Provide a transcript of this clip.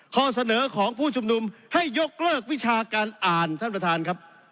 ข้อเสนอของผู้ชุมนุมให้ยกเลิกวิชาการอ่านท่านประธานครับ